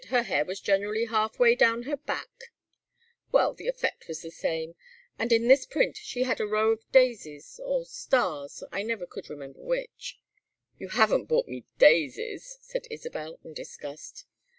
Her hair was generally half way down her back " "Well the effect was the same and in this print she had a row of daisies or stars; I never could remember which " "You haven't brought me daisies?" said Isabel, in disgust.